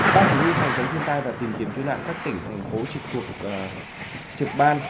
bác huy thành phóng thiên tai và tìm kiếm cứu nạn các tỉnh thành phố trực quốc trực ban